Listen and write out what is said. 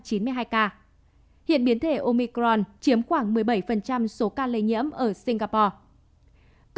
hiện biến thể omicron chiếm khoảng một mươi bảy số ca lây nhiễm ở singapore